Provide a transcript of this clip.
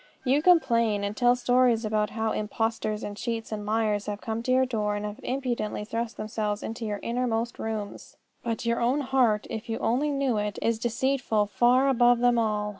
You complain and tell stories about how impostors and cheats and liars have come to your door and have impudently thrust themselves into your innermost rooms; but your own heart, if you only knew it, is deceitful far above them all.